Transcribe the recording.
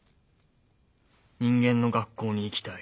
人間の学校に行きたい。